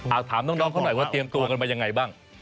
เอาถามน้องเขาหน่อยว่าเตรียมตัวกันมายังไงบ้าง